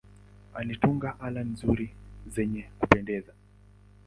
Alitunga ala nzuri zenye kupendeza.